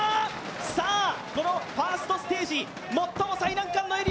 さあ、このファーストステージ、最も最難関のエリア